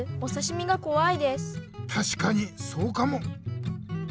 たしかにそうかも！